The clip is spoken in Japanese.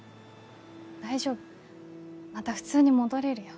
大丈夫また普通に戻れるよ。